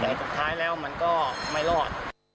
แต่สุดท้ายแล้วมันก็ไม่รอด